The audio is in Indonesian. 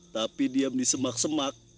tapi diam di semak semak